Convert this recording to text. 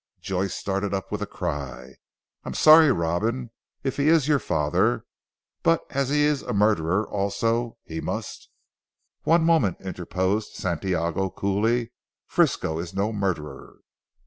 Joyce started up with a cry. "I am sorry Robin, if he is your father, but as he is a murderer also he must " "One moment," interposed Santiago coolly, "Frisco is no murderer."